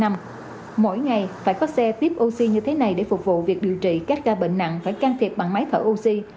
mỗi ngày phải có xe tiếp oxy như thế này để phục vụ việc điều trị các ca bệnh nặng phải can thiệp bằng máy thở oxy